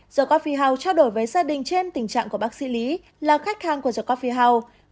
the coffee house trao đổi với gia đình trên tình trạng của bác sĩ lý là khách hàng của the coffee house